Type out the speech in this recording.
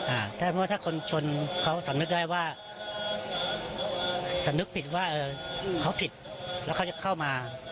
ถ้าเมื่อถ้าคนชนเขาสำนึกได้ว่าสำนึกผิดว่าเออเขาผิดแล้วเขาจะเข้ามา